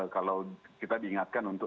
kalau kita diingatkan untuk